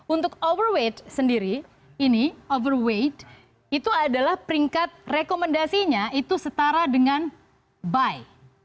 untuk overweight sendiri ini overweight itu adalah peringkat rekomendasinya itu setara dengan buy